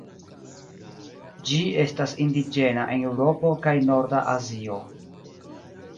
Ĝi estas indiĝena en Eŭropo kaj norda Azio.